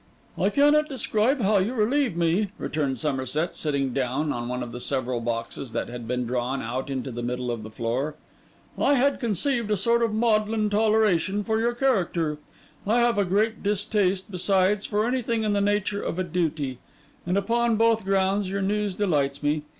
'I cannot describe how you relieve me,' returned Somerset, sitting down on one of several boxes that had been drawn out into the middle of the floor. 'I had conceived a sort of maudlin toleration for your character; I have a great distaste, besides, for anything in the nature of a duty; and upon both grounds, your news delights me.